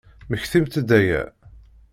Mmektimt-d aya!